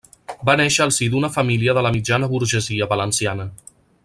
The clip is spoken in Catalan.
Va néixer al si d'una família de la mitjana burgesia valenciana.